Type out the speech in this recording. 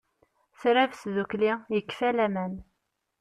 Trab tdukli, yekfa laman.